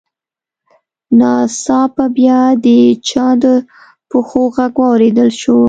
ناڅاپه بیا د چا د پښو غږ واورېدل شو